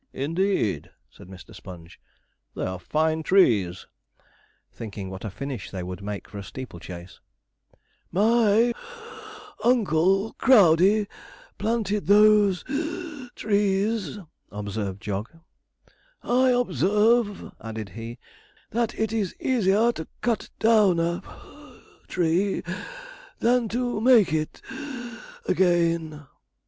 'Indeed,' said Mr. Sponge, 'they are fine trees'; thinking what a finish they would make for a steeple chase. 'My (puff) uncle, Crowdey, planted those (wheeze) trees,' observed Jog. 'I observe,' added he, 'that it is easier to cut down a (puff) tree than to make it (wheeze) again.'